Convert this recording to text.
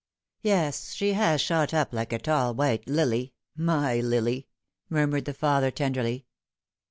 " Yes, she has shot up like a tall white lily my lily 1" mur mured the father tenderly.